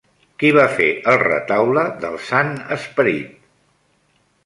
Qui va fer el Retaule del Sant Esperit?